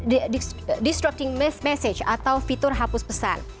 di destrucking message atau fitur hapus pesan